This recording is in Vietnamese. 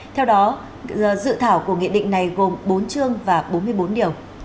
theo đó dự thảo của nghị định này gồm bốn chương và bốn mươi bốn điều